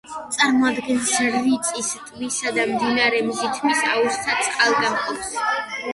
წარმოადგენს რიწის ტბისა და მდინარე მზიმთის აუზთა წყალგამყოფს.